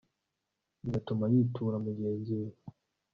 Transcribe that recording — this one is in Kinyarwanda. bigatuma yitura mugenzi we